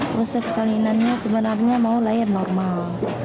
proses salinannya sebenarnya mau lahir normal